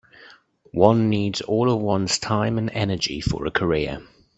One needs all one's time and energy for a career.